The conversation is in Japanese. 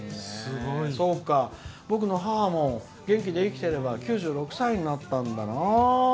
そうか、僕の母も元気で生きてれば９６歳になったんだな。